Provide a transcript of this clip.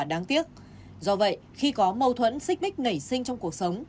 đáng tiếc do vậy khi có mâu thuẫn xích bích ngày sinh trong cuộc sống